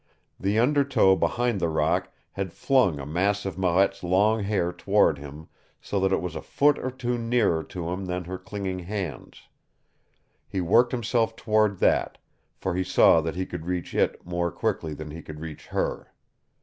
The undertow behind the rock had flung a mass of Marette's long hair toward him, so that it was a foot or two nearer to him than her clinging hands. He worked himself toward that, for he saw that he could reach it more quickly than he could reach her.